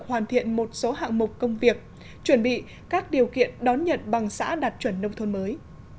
hoàn thiện một số hạng mục công việc chuẩn bị các điều kiện đón nhận bằng xã đạt chuẩn nông thôn mới